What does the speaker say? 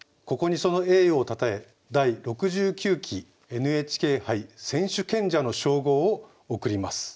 ここにその栄誉をたたえ第６９期ＮＨＫ杯選手権者の称号を贈ります。